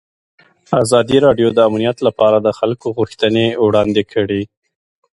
ازادي راډیو د امنیت لپاره د خلکو غوښتنې وړاندې کړي.